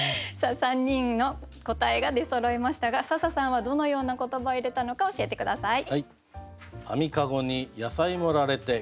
３人の答えが出そろいましたが笹さんはどのような言葉を入れたのか教えて下さい。